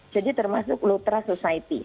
jadi termasuk lutra society